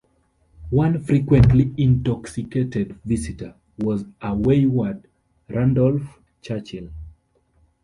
One frequently intoxicated visitor was a wayward Randolph Churchill.